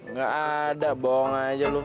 nggak ada bohong aja lu